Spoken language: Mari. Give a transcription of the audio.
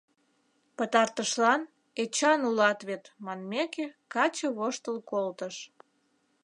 Пытартышлан, «Эчан улат вет» манмеке, каче воштыл колтыш.